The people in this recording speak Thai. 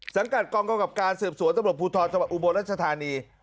สังกัดกรรมกรรมกราบการเสริมสวนตำรวจภูทธรณ์จังหวัดอุบสรรค์ราชธานี